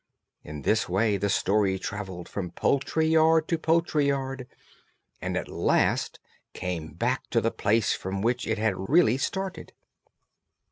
In this way the story travelled from poultry yard to poultry yard, and at last came back to the place from which it had really started.